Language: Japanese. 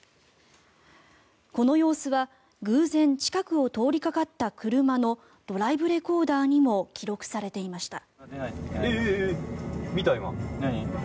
この様子は偶然、近くを通りかかった車のドライブレコーダーにも記録されていました。